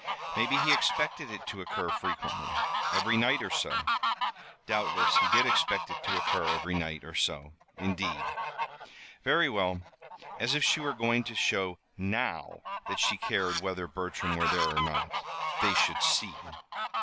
Maybe he expected it to occur frequently every night, or so. Doubtless he did expect it to occur every night, or so. Indeed! Very well. As if she were going to show now that she cared whether Bertram were there or not! They should see.